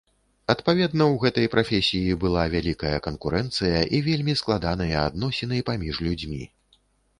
Адпаведна, у гэтай прафесіі была вялікая канкурэнцыя і вельмі складаныя адносіны паміж людзьмі.